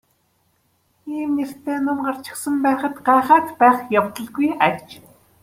Ийм нэртэй ном гарчихсан байхад гайхаад байх явдалгүй аж.